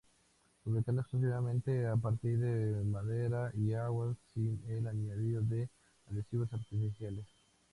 Fabricado exclusivamente a partir de madera y agua, sin el añadido de adhesivos artificiales.